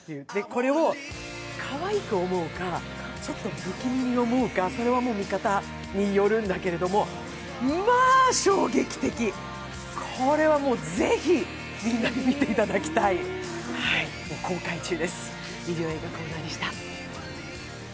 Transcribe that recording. これをかわいく思うか、ちょっと不気味に思うか、それは見方によるんだけど、まぁ衝撃的、これはもうみんなに見ていただきたい、公開中です。